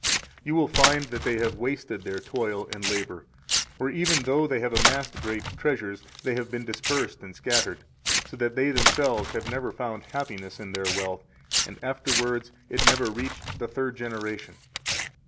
You will find that they have wasted their toil and labor, or even though they have amassed great treasures, they have been dispersed and scattered, so that they themselves have never found happiness in their wealth, and afterwards it never reached the third generation.